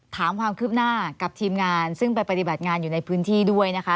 ถามความคืบหน้ากับทีมงานซึ่งไปปฏิบัติงานอยู่ในพื้นที่ด้วยนะคะ